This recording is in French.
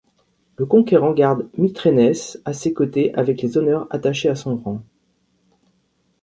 Le conquérant garde Mithrénès à ses côtés avec les honneurs attachés à son rang.